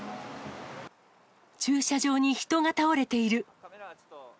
駐車場に人が倒れている。